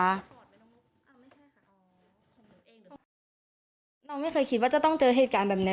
เราไม่เคยคิดว่าจะต้องเจอเหตุการณ์แบบนี้